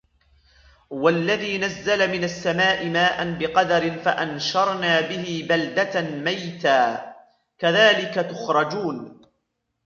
والذي نزل من السماء ماء بقدر فأنشرنا به بلدة ميتا كذلك تخرجون